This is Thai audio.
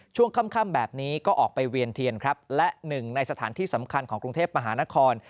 ช่วงค่ำแบบนี้ก็ออกไปเวียนเทียนครับและหนึ่งในสถานที่สำคัญของกรุงเทพมหานคร